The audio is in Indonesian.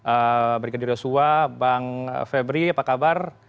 eee brikadiri osowa bang febri apa kabar